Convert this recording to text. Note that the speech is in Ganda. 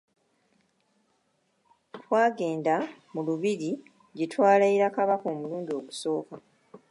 Twagenda mu lubiri gye twalaira kabaka omulundi ogusooka.